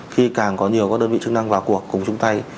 khi càng có nhiều các đơn vị chức năng vào cuộc cùng chung tay